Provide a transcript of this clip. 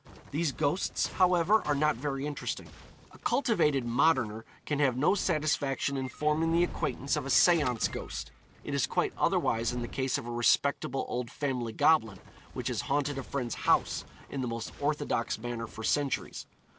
These ghosts, however, are not very interesting. A cultivated moderner can have no satisfaction in forming the acquaintance of a seance ghost; it is quite otherwise in the case of a respectable old family goblin which has haunted a friend's house in the most orthodox manner for centuries.